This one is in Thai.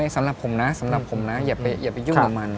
สำหรับผมนะอย่าไปยุ่งกับมัน